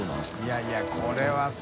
いやいやこれはさ。